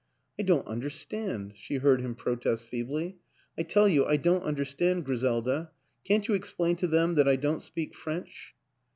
" I don't understand," she heard him protest feebly, " I tell you I don't understand. Griselda, can't you explain to them that I don't speak French?"